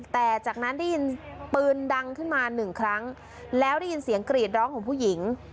แต่จากนั้นได้ยินปืนดังขึ้นมาหนึ่งครั้งแล้วได้ยินเสียงกรีดร้องของผู้หญิง